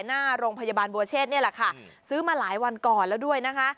หน้าโรงพยาบาลบัวเชษนี่แหละค่ะซื้อมาหลายวันก่อนแล้วด้วยนะคะ